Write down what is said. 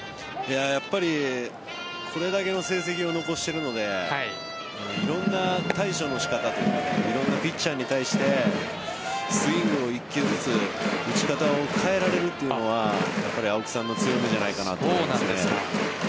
やっぱりこれだけの成績を残しているのでいろんな対処の仕方というかいろんなピッチャーに対してスイングを１球ずつ打ち方を変えられるというのは青木さんの強みじゃないかなと思います。